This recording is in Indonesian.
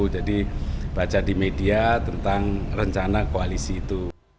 jadi baca di media tentang rencana koalisi itu